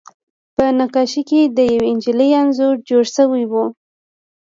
په نقاشۍ کې د یوې نجلۍ انځور جوړ شوی و